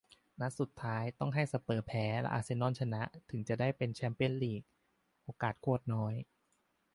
นัดสุดท้ายต้องให้สเปอร์สแพ้ แล้วอาร์เซนอลชนะ ถึงจะได้ไปแชมเปียนส์ลีก โอกาสโคตรน้อย